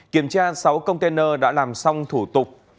kiểm tra sáu container đã làm xong thủ tục